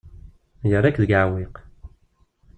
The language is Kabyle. Yerra-k deg uɛewwiq.